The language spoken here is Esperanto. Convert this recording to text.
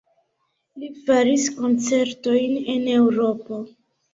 Li faris koncertojn en Eŭropo.